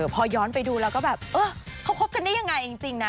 พอย้อนไปดูแล้วก็แบบเออเขาคบกันได้ยังไงจริงนะ